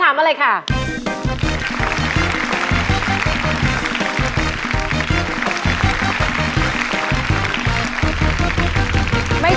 โถ่ะแอบพังสายลาม